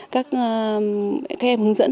các em hướng dẫn